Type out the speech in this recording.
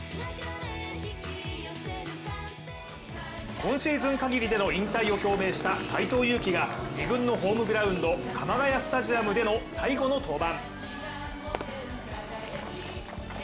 今シーズンかぎりでの引退を表明した斎藤佑樹が自分のホームグラウンド、鎌ケ谷スタジアムでの最後の登板。